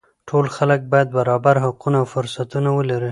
ټول خلک باید برابر حقونه او فرصتونه ولري